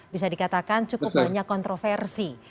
bisa dikatakan cukup banyak kontroversi